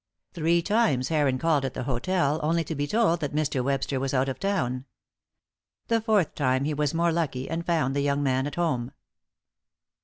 Three times Heron called at the hotel, only to be told that Mr. Webster was out of town. The fourth time he was more lucky and found the young man at home.